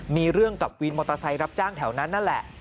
มีเรื่องกับวินมอเตอร์ไซค์รับจ้างแถวนั้นนั่นแหละ